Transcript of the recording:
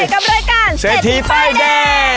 กับด้วยกันเศรษฐีป้ายแดง